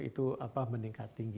itu meningkat tinggi